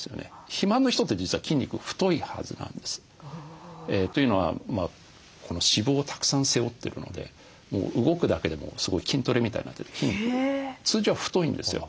肥満の人って実は筋肉太いはずなんです。というのは脂肪をたくさん背負ってるので動くだけでもすごい筋トレみたいになってて筋肉通常は太いんですよ。